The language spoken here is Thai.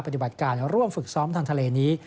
ปฏิบัติการร่วมฝึกซ้อมทางทะเลนี้